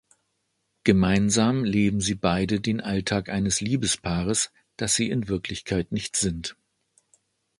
Gemeinsam leben sie beide den Alltag eines Liebespaares, das sie in Wirklichkeit nicht sind.